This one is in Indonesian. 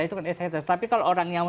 itu kan exaters tapi kalau orang yang